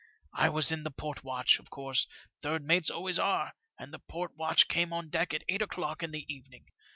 I was in the port watch, of course, third mates always are, and the port watch came on deck at eight o'clock in the evening.